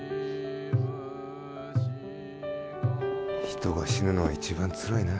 人が死ぬのは一番つらいな。